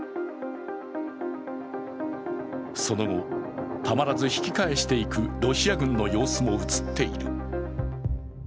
その後、たまらず引き返していくロシア軍の様子も映っている。